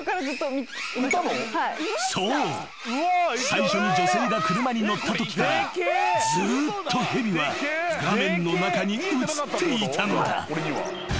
最初に女性が車に乗ったときからずっと蛇は画面の中に映っていたのだ］